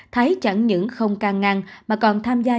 thái chẳng những không càng ngăn mà còn tham gia